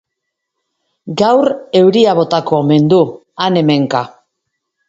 Gaur euria botako omen du han-hemenka.